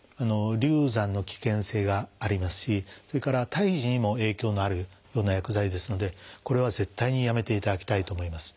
流産の危険性がありますしそれから胎児にも影響のあるような薬剤ですのでこれは絶対にやめていただきたいと思います。